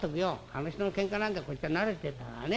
あの人のけんかなんかこっちは慣れてんだからね。